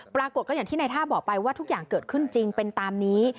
ปรากฏก็อย่างที่ในท่าบอกไปว่าทุกอย่างเกิดขึ้นจริงเป็นตามนี้